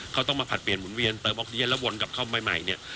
เขาต้องมาผลัดเปลี่ยนหมุนเวียนเติมแล้ววนกลับเข้ามาใหม่เนี่ย